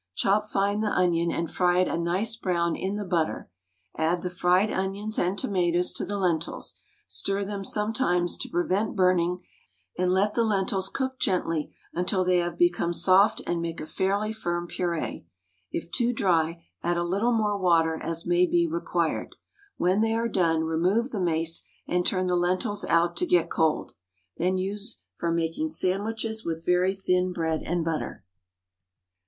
Chop fine the onion and fry it a nice brown in the butter; add the fried onions and tomatoes to the lentils, stir them sometimes to prevent burning, and let the lentils cook gently until they have become soft and make a fairly firm purée. If too dry, add a little more water as may be required. When they are done remove the mace and turn the lentils out to get cold. Then use for making sandwiches with very thin bread and butter.